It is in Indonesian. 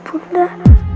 saya ingin datang aja